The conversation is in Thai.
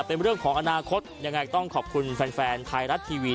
เป็นเรื่องของอนาคตยังไงต้องขอบคุณแฟนแฟนไทยรัฐทีวี